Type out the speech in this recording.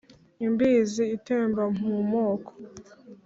imbizi itemba mu moko.